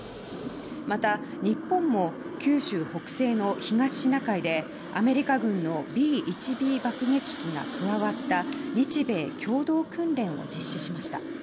また、日本も九州北西の東シナ海でアメリカ軍のＢ１Ｂ爆撃機が加わった日米共同訓練を実施しました。